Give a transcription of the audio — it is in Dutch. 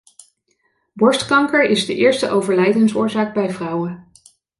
Borstkanker is de eerste overlijdensoorzaak bij vrouwen.